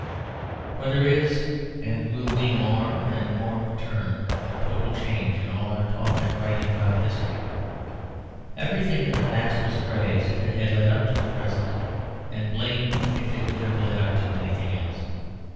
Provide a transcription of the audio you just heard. For there is and will be more and more a turn of total change in all our talk and writing about history. Everything in the past was praised if it had led up to the present, and blamed if it would have led up to anything else.